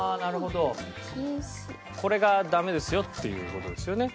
これがダメですよっていう事ですよね。